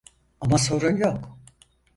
Ama sorun yok.